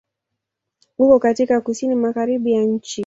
Uko katika Kusini Magharibi ya nchi.